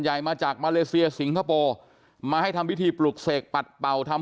ใหญ่มาจากมาเลเซียสิงคโปร์มาให้ทำพิธีปลุกเสกปัดเป่าทำ